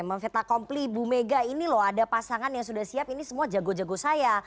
memfeit akompli bumega ini loh ada pasangan yang sudah siap ini semua jago jago saya